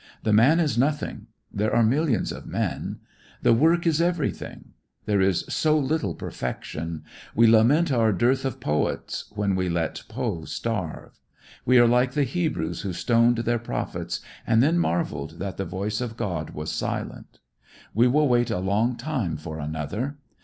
The man is nothing. There are millions of men. The work is everything. There is so little perfection. We lament our dearth of poets when we let Poe starve. We are like the Hebrews who stoned their prophets and then marvelled that the voice of God was silent. We will wait a long time for another.